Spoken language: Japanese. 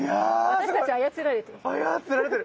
私たち操られている。